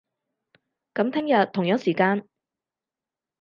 噉聽日，同樣時間